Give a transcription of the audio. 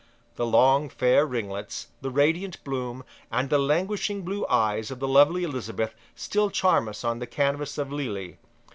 The long fair ringlets, the radiant bloom, and the languishing blue eyes of the lovely Elizabeth still charm us on the canvass of Lely.